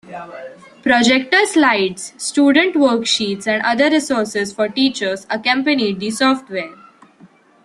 Projector slides, student worksheets, and other resources for teachers accompanied the software.